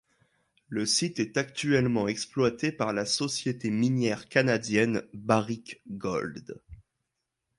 Le site est actuellement exploité par la société minière canadienne Barrick Gold.